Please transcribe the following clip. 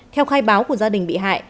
theo khai báo của gia đình bị hại